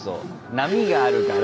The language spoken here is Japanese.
波があるから。